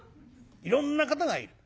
いろんな方がいる。